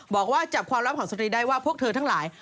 บอกว่าจับความลับของสตรีได้ว่าพวกเธอทั้งหลาย